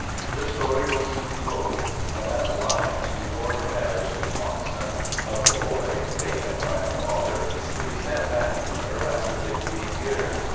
The story was soon told: of an alliance before her marriage to Swanson, of the boy, taken by the father, to be sent back to her after fifteen years.